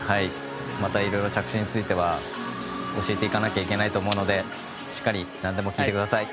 また、いろいろ着地については教えていかなきゃいけないと思いますのでしっかり何でも聞いてください。